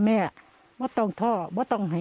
แม่ไม่ต้องทอบไม่ต้องให้